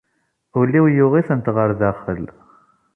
Ul-iw yuɣ-itent ɣer daxel.